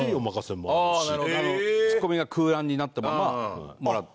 ツッコミが空欄になったままもらって。